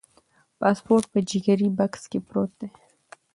پاسپورت په جګري بکس کې پروت دی.